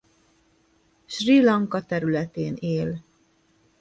Srí Lanka területén él.